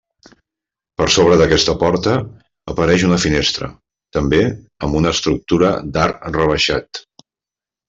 Per sobre d'aquesta porta, apareix una finestra, també, amb estructura d'arc rebaixat.